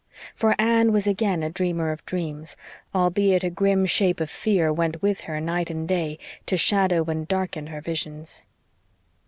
For Anne was again a dreamer of dreams, albeit a grim shape of fear went with her night and day to shadow and darken her visions.